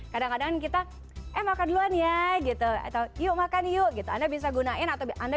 kadang kadang kita eh makan duluan ya gitu atau yuk makan yuk gitu anda bisa gunain atau anda